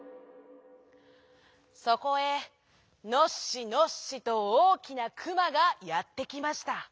そこへのっしのっしとおおきなクマがやってきました。